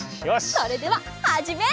それでははじめ！